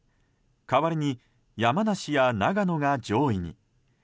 代わりに山梨や長野が上位に。